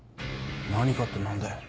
何かって何だよ。